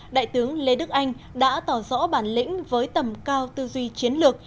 đại tướng lê đức anh đã tỏ rõ bản lĩnh với tầm cao tư duy chiến lược